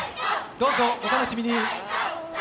どうぞお楽しみに。